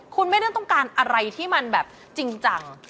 คุณไม่ได้ต้องการอะไรที่มันแบบจริงจัง